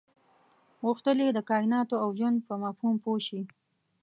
غوښتل یې د کایناتو او ژوند په مفهوم پوه شي.